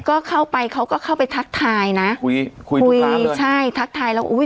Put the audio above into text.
ก็เข้าไปเขาก็เข้าไปทักทายนะคุยคุยใช่ทักทายแล้วอุ้ย